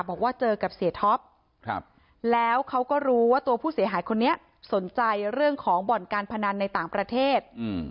บอกว่าเจอกับเสียท็อปแล้วเขาก็รู้ว่าตัวผู้เสียหายคนนี้สนใจเรื่องของบ่อนการพนันในต่างประเทศ